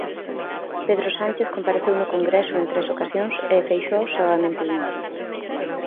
Pedro Sánchez compareceu no Congreso en tres ocasións e Feixóo soamente unha.